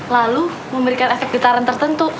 lalu memberikan efek getaran tertentu